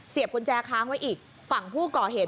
เสียบกุญแจค้างไว้อีกฝั่งผู้เกาะเหตุ